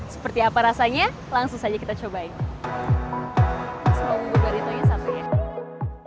seperti apa rasanya langsung saja kita cobain